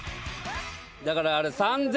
だからあれ。